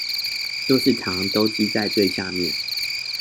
就是糖都積在最下面